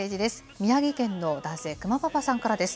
宮城県の男性、くまぱぱさんからです。